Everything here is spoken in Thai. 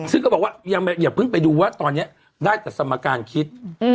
ซึ่งก็บอกว่าอย่าเพิ่งไปดูว่าตอนนี้ได้แต่สมการคิด